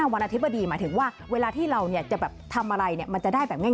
วันอธิบดีหมายถึงว่าเวลาที่เราจะแบบทำอะไรมันจะได้แบบง่าย